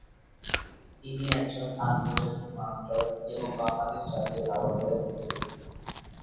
তিনি একজন আন্তর্জাতিক মাস্টার এবং বাংলাদেশ জাতীয় দাবা দলের প্রতিনিধি।